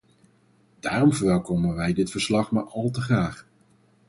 Daarom verwelkomen wij dit verslag maar al te graag.